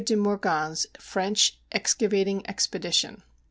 de Morgan's French excavating expedition.